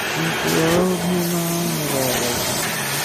এ আবার কী।